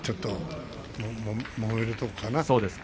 もめるところかな？